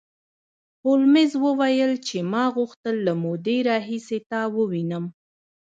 هولمز وویل چې ما غوښتل له مودې راهیسې تا ووینم